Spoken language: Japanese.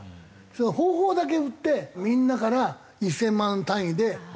方法だけ売ってみんなから１０００万単位で金取ってた。